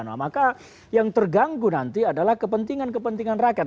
nah maka yang terganggu nanti adalah kepentingan kepentingan rakyat